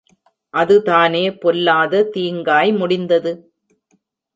அதுதானே பொல்லாத தீங்காய் முடிந்தது?